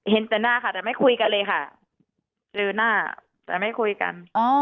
เห็นแต่หน้าค่ะแต่ไม่คุยกันเลยค่ะเจอหน้าแต่ไม่คุยกัน